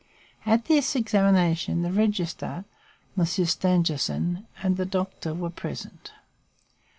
At this examination, the Registrar, Monsieur Stangerson, and the doctor were present.